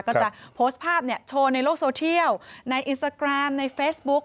ก็จะโพสต์ภาพโชว์ในโลกโซเทียลในอินสตาแกรมในเฟซบุ๊ก